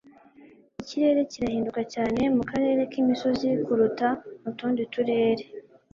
Ikirere kirahinduka cyane mukarere k'imisozi kuruta mu tundi turere